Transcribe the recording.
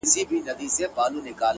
• اوس به دې خپل وي آینده به ستا وي,